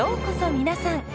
皆さん。